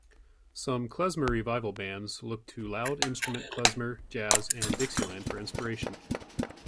Some klezmer revival bands look to loud-instrument klezmer, jazz, and Dixieland for inspiration.